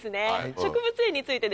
植物園についてですね